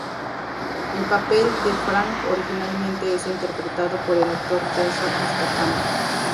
El papel de Frank originalmente es interpretado por el actor Jason Statham.